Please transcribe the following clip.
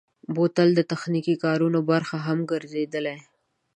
بوتل د تخنیکي کارونو برخه هم ګرځېدلی.